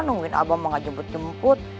nungguin abang mau gak jemput jemput